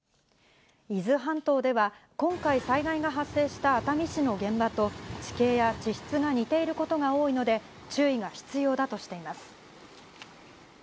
伊豆半島では、今回、災害が発生した熱海市の現場と、地形や地質が似ていることが多いので、注意が必要だとしています。